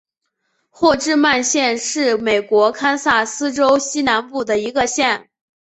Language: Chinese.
霍治曼县是美国堪萨斯州西南部的一个县。